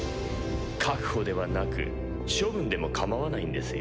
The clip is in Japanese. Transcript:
確保ではなく処分でもかまわないんですよ。